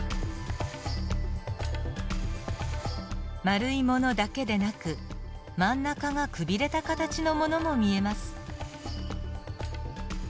丸いものだけでなく真ん中がくびれた形のものも見えます。